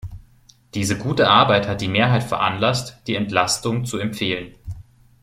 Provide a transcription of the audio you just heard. Diese gute Arbeit hat die Mehrheit veranlasst, die Entlastung zu empfehlen.